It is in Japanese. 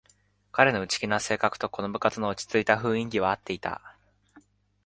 彼の内気な性格とこの部活の落ちついた雰囲気はあっていた